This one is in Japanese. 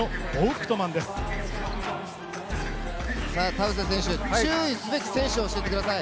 田臥選手、注意すべき選手を教えてください。